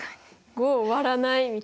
５を割らないみたいな。